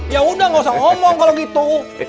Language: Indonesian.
ya udah gak usah ngomong kalau gitu